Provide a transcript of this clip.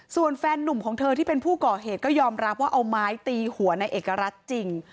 ส่วนแฟนนุ่มของเธอที่เป็นผู้ก่อเหตุก็ยอมรับว่าเอาไม้ตีหัวในเอกรัฐจริง